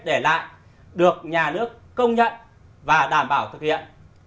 để lại được nhà nước công nhận và đảm bảo thực hiện